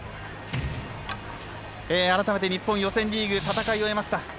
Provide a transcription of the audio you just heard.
改めて、日本予選リーグ戦い終えました。